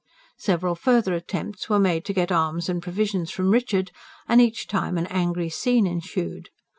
Several further attempts were made to get arms and provisions from Richard; and each time an angry scene ensued.